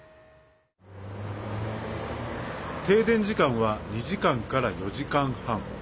停電時間は２時間から４時間半。